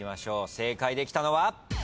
正解できたのは？